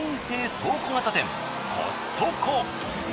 倉庫型店コストコ。